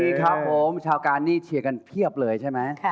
ครับผมชาวการนี่เชียร์กันเพียบเลยใช่ไหม